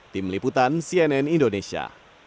tim liputan cnn indonesia